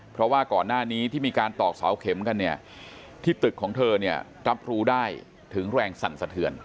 เพราะว่าก่อนหน้านี้ที่มีการตอกเสาเข็มกันเนี่ยที่ตึกของเธอเนี่ยรับรู้ได้ถึงแรงสั่นสะเทือน